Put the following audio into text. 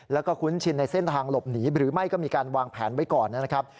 แล้วก็คุ้นชินในเส้นทางหลบหนีหรือไม่ก็มีการวางแผนไว้ก่อนนะครับ